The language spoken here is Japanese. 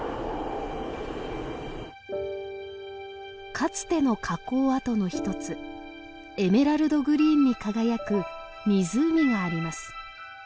かつての火口跡の一つエメラルドグリーンに輝く湖があります。